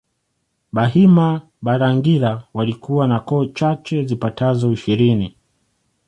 Bahima Balangira walikuwa na koo chache zipatazo ishirini